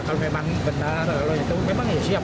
kalau memang benar memang siap